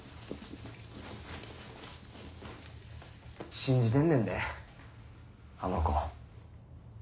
信じてんねんであの子。